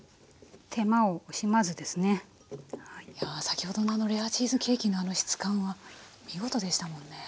先ほどのレアチーズケーキのあの質感は見事でしたもんね。